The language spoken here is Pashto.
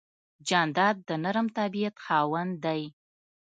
جانداد د نرم طبیعت خاوند دی.